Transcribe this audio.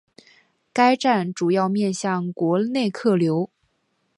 该站主要面向国内客流。